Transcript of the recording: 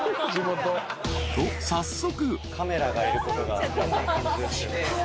［と早速］